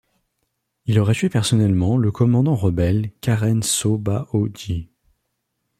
Il aurait tué personnellement le commandant rebelle Karen Saw Ba Oo Gyi.